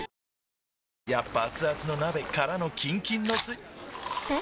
やっぱアツアツの鍋からのキンキンのスん？